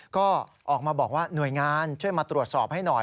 ก็ออกมาบอกว่าหน่วยงานช่วยมาตรวจสอบให้หน่อย